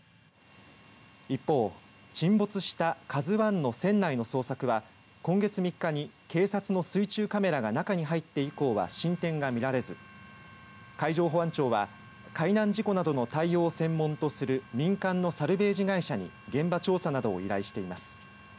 一方、沈没したＫＡＺＵＩの船内の捜索は今月３日に警察の水中カメラが中に入って以降は進展が見られず海上保安庁は海難事故などの対応を専門とする民間のサルベージ会社に現場調査などを依頼しています。